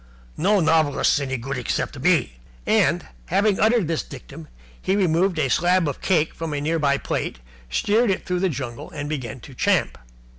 No novelists any good except me." And, having uttered this dictum, he removed a slab of cake from a near by plate, steered it through the jungle, and began to champ.